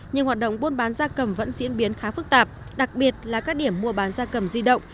nhưng hoạt động buôn bán da cầm vẫn diễn biến khá phức tạp đặc biệt là các điểm mua bán da cầm di động